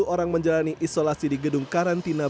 sepuluh orang menjalani isolasi di gedung karantina